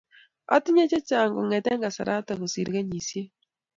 Atinye chechang' kong'ete kasaratak kosir kenyisiek.